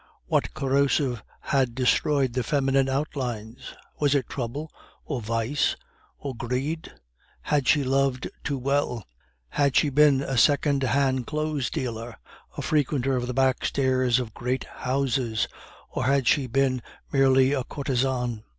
What corrosive had destroyed the feminine outlines? Was it trouble, or vice, or greed? Had she loved too well? Had she been a second hand clothes dealer, a frequenter of the backstairs of great houses, or had she been merely a courtesan?